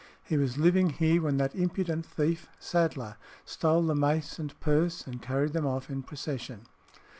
He was living here when that impudent thief, Sadler, stole the mace and purse, and carried them off in procession.